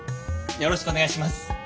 よろしくお願いします。